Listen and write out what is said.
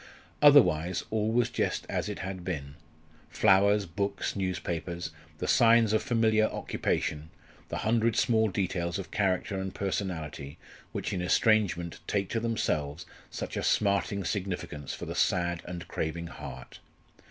Otherwise, all was just as it had been flowers, books, newspapers the signs of familiar occupation, the hundred small details of character and personality which in estrangement take to themselves such a smarting significance for the sad and craving heart.